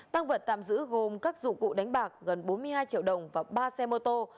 tăng vật tạm giữ gồm các dụng cụ đánh bạc gần bốn mươi hai triệu đồng và ba xe mô tô